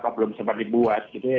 belum sempat dibuat jadi